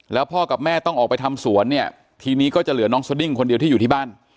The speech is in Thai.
แล้วพ่อกับแม่ต้องออกไปทำสวนเนี่ยทีนี้ก็จะเหลือน้องสดิ้งคนเดียวที่อยู่ที่บ้าน